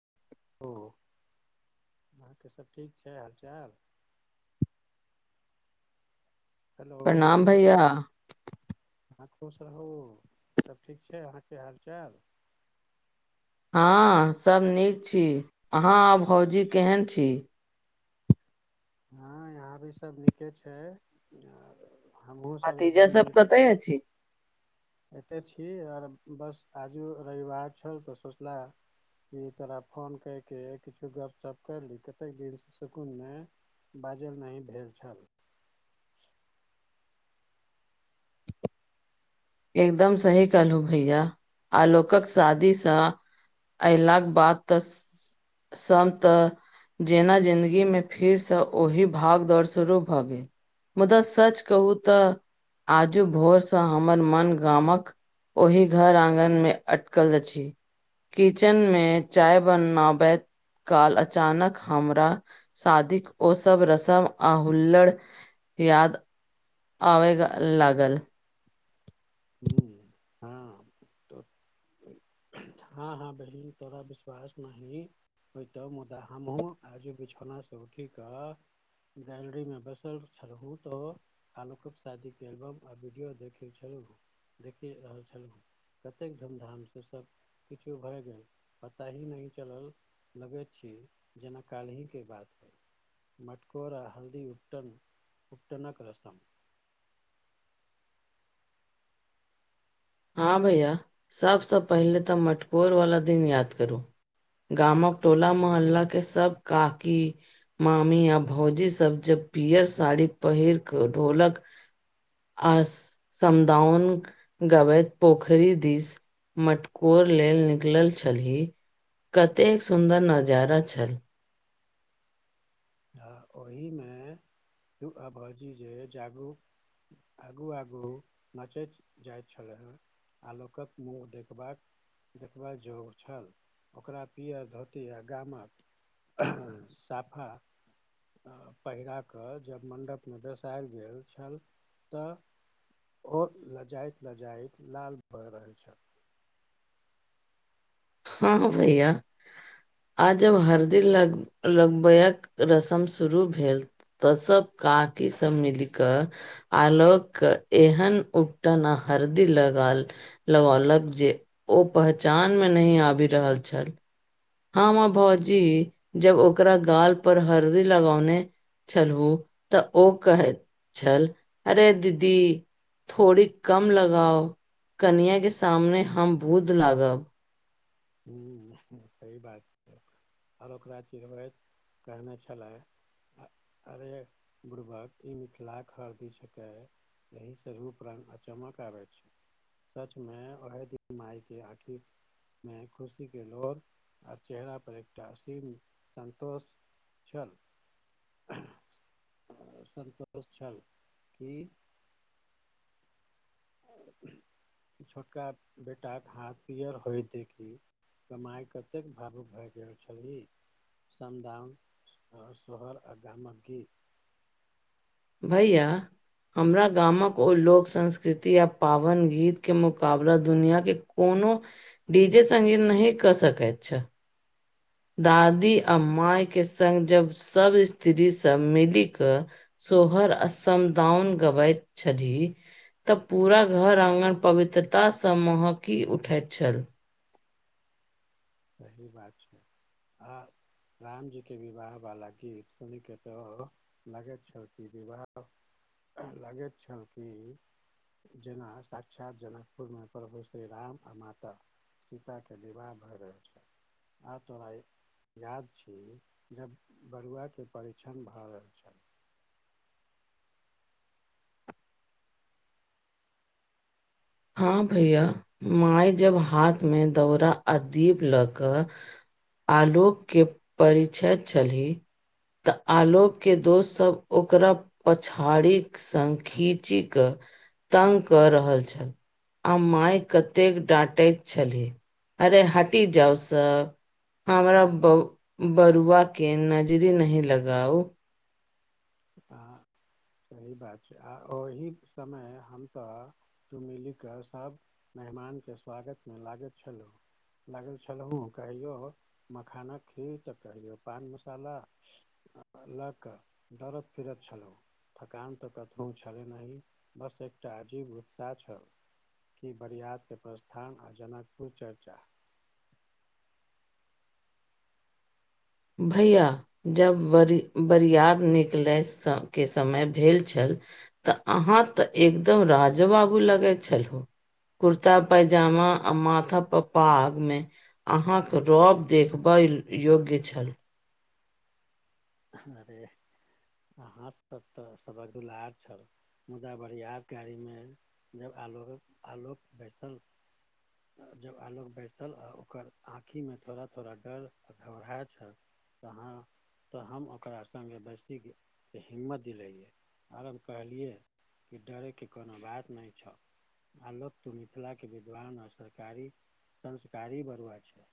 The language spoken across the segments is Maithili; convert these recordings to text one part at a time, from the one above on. [inaudible] ओ आहाँ बाकी सब ठीक छैय हालचाल? हेलो प्रणाम भैया, आहाँ खुश रहू त ठीक छैय आहाँके हाल -चाल? हँ सब नीक छी आहाँ आ भौजी केहन छी, हँ यहाँ भी सब नीके छैय आब, हमहूँ सब भतीजा एकदम सब नीक कतय छी, अछि एते छी आर बस आजू रविवार छल तऽ सोचला, क तोरा फोन कैके किछो गपशप करली कतेक दिन सुकुन मे, बाजल नैही भेल छल, एकदम सही कहलु भैया आलोक क शादी सँ अयलाक बाद तऽ सब तऽ, जेना जिन्दगी मे फेर से ओहि भाग दौड़ शुरू भऽ गेल, मुदा सच कहू तऽ आजू भोर से हम, हमर मन गामक ओहि घर आगन मे अटकल अछि, किचन मे चाय बना बते, काल अचानक हमरा शादी ओ सब रस्म आ हुल्लड़, याद आबे लागल, हूँ हँ तऽ, हँ हँ बहिन तोरा विश्वास नहि, होतौ मुदा हम हूँ आजू बिछौना से उठ कऽ गैरोली बैसल छलहुँ तऽ आलोक के शादी के एल्बम आ वीडियो देखै छलहु देखि रहल छलहुँ, कतेक धूमधाम से सभ किछु भरि गेल पता ही नहि चलल! लगैत छी जेना केल हीं के बात, मटकोरा हल्दी उबटन उट्टनक क रसम, हँ भैया सब से पहिले तऽ मटकोर वाला दिन याद करू, गामक टोला मोहल्ला के सब काकी, मामी य भौजी सब जब पियर साड़ी पहिर क ढोलक, आ आस समदाओन गबैत, पोखरी दिस मटकोर लेल निकलल छलीही? कतेक सुन्दर नजारा छल, आ ओहि मे तू आ भौजी जे जागरूक, आगू आगू नचैत जाइत छलय हेँ? आलोक क मुँह देखबाक, देखबै जोग छल ओकरा पीअर धोती आ गाम क, साफा, पहिरा कऽ जब मण्डप मे बैसायल गेल छल तऽ और लजैत लजैत लाल भए रहल छल, हँ भैया, आ जब हरदी लग लगबय क रस्म शुरू भेल, तऽ सब काकी सब मीलक कऽ आलोक के एहन उबटन अ हरदी लगाल, लगौलक जे ओ पहचान मे नहि आबि रहल छल, हम अ भौजी जब ओकरा गाल पर हरदी लगौने, चलओ त ओ कहैत छल अरे दीदी, थोड़ी कम लगााव कनिया के सामने हम भूत लागब! ह्म सही बात छै आर ओलोक चिड़बैत कहने छलय, अरे बुड़बक ई मिथिला के हल्दी छलै, एहि सँ रूप रंग चमक आबै छै! सच मे ओहे दिन मायके आखिर, मे खुशी के लोर आ चेहरा पर एकटा आसिम संतोष, चह [inaudible] संतोष छल की, छोटका बेटा क हाथ पियर हो देखी, क माइ केतक भावुक भए गेल छली, समदाउन आ सोहर आ गामक गीत, भैया? हमरा गामक ओ लोक संस्कृति आ पावनि गीत के मुकाबला दुनिया के, कोनो डी जेे संगीत नहि क सकै छ, दादी आ मायै के संग जब सब स्त्री सब मिली क, सोहर अ समदाउन गबैत छली! तऽ पूरा घर आंगन पवित्रता सँ महकी उठैत छल! सही बात छै आ, रामजीके विवाह बला गीत सुनिके त, लागैत छल कि विवाह लागैत छल की, जेना साक्षात जनकपुर मे प्रभु श्री राम आ माता! सीता के विवाह भ रहल, आब तोरा याद छी जब बरुआके परिछन भऽ रहल छल, हँ भैया माय जब हाथ में दौड़ आ दीप ल क? आलोक के परिछैत छली, तऽ आलोक दोस्त सब ओकरा पछाड़ी, संग खीची कऽ तंग कऽ रहल छल! आ माय कतेक डाँटैत छली अरे हटी जाउ सब! हमरा ब बरुआ के नजरी नही लगाउ! ह सही बात छै आ ओही समय हम त, तू मिलि क सब मेहमान के स्वागत मे लागैत छलहु, लागल छलहुँ कहियौ मखानक खीर त कहियौ पान मसाला! ला क दरद फिरत छलहु [unintelligible] थकान त कतहु छलै नही बस एकटा अजीब उत्साह छल! की बरियातके प्रस्थान आ जनकपुर चर्चा? भैया? जब बरि- बरियार निकलय के समय भेल छल? आहाँ त एकदम राजो बाबू लगै छलहु! कुरता पजामा आ माथा पे पगमे, आहाँक रौब देखबय योग्य छल! अरे आहाँ सब त सबक दुलार छल! मुदा बरियात गाड़ी मे जब आलो- आलोक बैसल? जब आलोक बैसल आ ओकर आँखि मे थोड़ा- थोड़ा डर आ घबराए छै, कहाँ। तऽ हम ओकरा संगे बेैसी के हिम्मत दिलैैलियैये और हम कहलियै कि डरै के कोनो बात नै छ। आलोक त मिथिलाके विद्वान आ सरकारी संस्कारी बरुआ छै।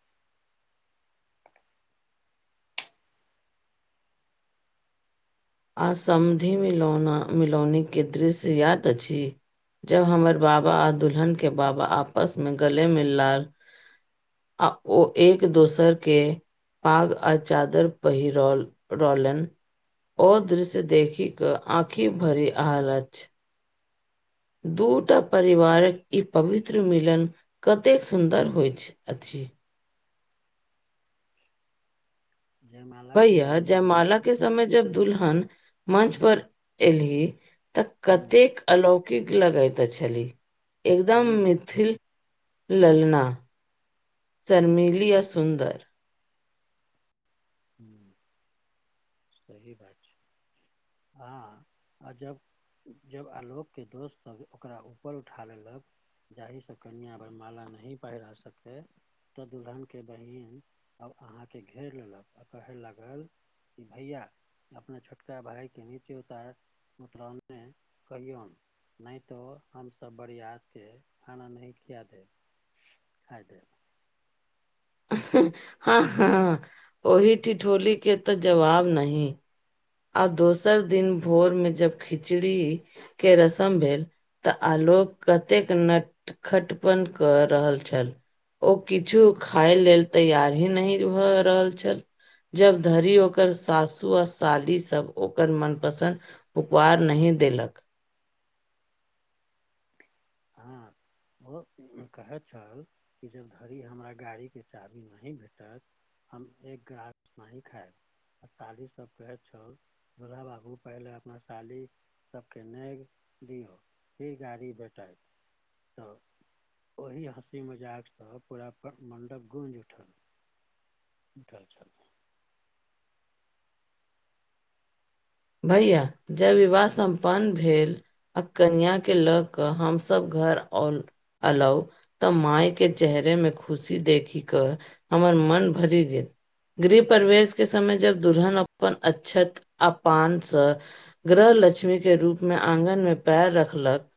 आ समधिश मिलौना मिलौनी के दृश्य याद अछि? जब हमर बाबा आ दुल्हन के बाबा आपस में गले मिलल आ ओ एक दोसर के पाग आ चादर पहिरौल रहलैन। ओ दृश्य देखिक आँखि भरी आयल अछि। दूटा परिवारक इ पवित्र मिलन कतेक सुन्दर होइत अछि। जयमाल। भैया जयमाला के समय जब दुल्हन मंच पर एली तऽ हूँ कतेक अलौकिक लगैत छलीह एकदम हूँ मिथिल ललना, शर्मिली आ सुन्दर। [inaudible] सही बात छै, अहा हा अजब जब आलोक के दोस्त सब ओकरा ऊपर उठा लेलक जाहि सँ कनिया वरमाला नहि पहिरा सकतै तऽ दुल्हन के बहिन आब अहाँ के घेर लेलक आ कहै लागल कि भैया अपना छोटका भाय के नीचे उतार उतरोन मे कहियौन नै त हम सब बरियात के खाना नहि खिया देब। खाय देब। हं हं ओहि ठिठोली के तऽ जवाब नहि। आ दोसर दिन भोर में जब खिचड़ी के रस्म भेल तऽ आलोक कतेक नख खटपन कऽ रहल छल। ओ किछु खाय लेल तैयार ही नहि भऽ रहल छल। जब धरि ओकर सासु अस सालीसभ ओकर मनपसन्द उपहार नहि देलक। हँ। ओ कहै छल कि जब धरि हमरा गाड़ीके चाभी नहि भेटत हम एक ग्रास-नाहि खायब। आ साली सब कहैत छल- दुूल्हा बाबू पहिले अपना साली सबके नेग दियौ, फिर गाड़ी भेटत। तऽओही हँसी- मजाक सं पूरा मण्डप गूँइजि उठल। उठल छल। भैया, जब विवाह सम्पन्न भेल आ कनिया के लऽ कऽ हम सब घर आउल अयलहुं तऽ माय के चेहरे मे खुशी देखि कऽ हमर मन भरि गेल। गृह प्रवेश के समय जब दुल्हन अपन अच्छत आ पानसँ गृहलक्ष्मी के रूप मे आंगन मे पैर रखलक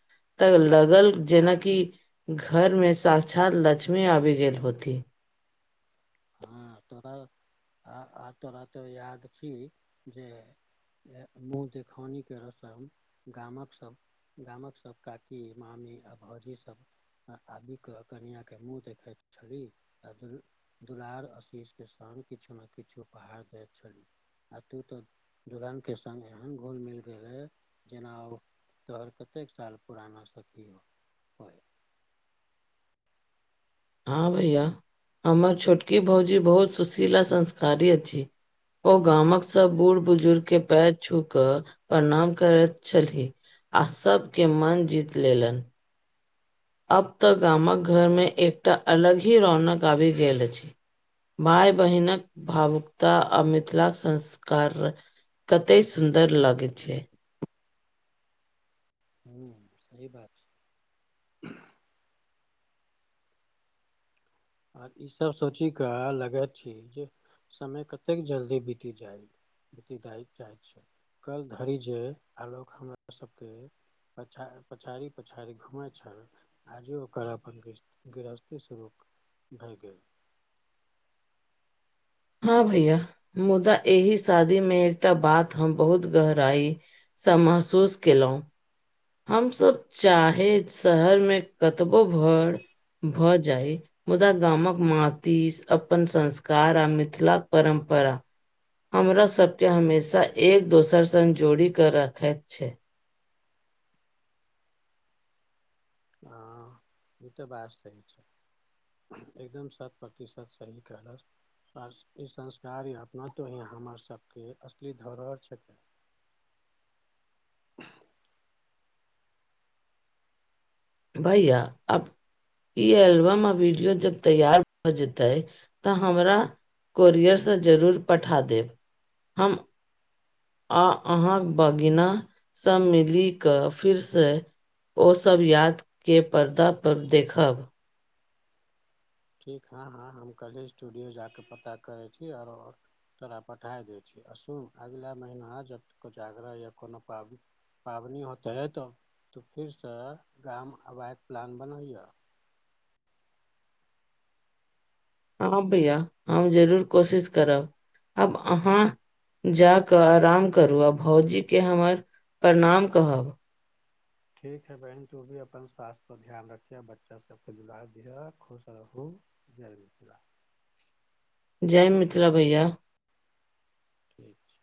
तऽ लागल जेनाकि घर मे साक्षात लक्ष्मी आबि गेल होथि। हँ तोरा आ तोरा तऽ याद छी जे मुँह देखौनी करहसँ हम गामक सभ, गामक सब काकी मामी आ भौजी सब, आबि कऽ कनिय के मुँह देखैत छली आ दु दुलार आशीषके सङ्ग किछु ने किछु उपहार दैत छलीह! आ तू ता दुलहन के सङ्ग एहन घोल मिल गेल हे जेना ओ, तोहर कतेक साल पुराना सखियौ होइ? हँ भैया हमर छोटकी भाउजी बहुत सुशील आ संस्कारी अछि, ओ गामक सब बूढ़ बुजुर्ग के पैर छू क प्रणाम करैत छलीह, आ सभके मन जीत लेलन! आब तऽ गामक घरमे एकटा अलग ही रौनक आबि गेल अछि! माये बहिनक भावुकता आ मिथिलाक संस्कार! कते सुन्दर लगैत छै, हू सही बात छै, आ ईसभ सोची कऽ लगैत छी जे समय कतेक जल्दी बीति जाय! दाय चाहैत छै कल धरि जे आलोक हमरा सबके, पछ पछारी पछारी घुमेय छल, आजी ओकरा अपन गृहस्ति सुरू, भए गेल, हँ भैया मुदा एहि शादी में एकटा बात हम बहुत गहराई! स महसूस केलहुँ, हमसभ चाहे शहरमे कतबो घर भऽ जाइ मुदा गामक मट्टी अपन संस्कार आ मिथिलाक परम्परा, हमरा सबके हमेशा एक दोसर सङ्ग जोड़ि कऽ रखैत छै! हँ ई तोह बात सही छै एकदम सात प्रतिशत सही कहालश! ई संस्कारी अपनातो ही हमर सबके असली धरोहर छ! भैया अब, ई एलबम आ वीडियो जब तैयार भए जेते तऽ हमरा, कोरियर सँ जरूर पठा देब हम, आ अहाँक भगिना स मिली क फिर से, ओ सब यादके पर्दा पर देखब! ठीक हँ हँ हम कलहि स्टूडियो जा कऽ पता करैत छी और तोरा पठाए दै छी आ सुन अगिला महिना आ जत कोजागरा या कोनो पाबनि, पाबनि होतै त तु फिरसँ गाम अबाक प्लान बनैह! हँ भैया हम जरूर कोशिश करब आब अहाँ, जा कऽ आराम करू आ भोजी के हमर प्रणाम कहब! ठीक ह बहिन तू भी अपन स्वास्थ्य पर ध्यान रखिह बच्चा सबके दुलार दिह खुश रहू! जय मिथिला! जय मिथिला भैया! ठीक छै!